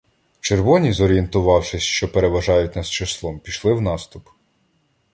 Червоні, зорієнтувавшись, що переважають нас числом, пішли в наступ.